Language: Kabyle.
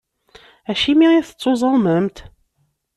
Acimi i tettuẓumemt?